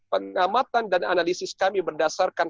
pengamatan dan analisis kami berdasarkan